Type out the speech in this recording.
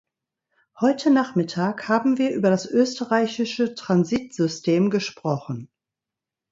Heute Nachmittag haben wir über das österreichische Transitsystem gesprochen.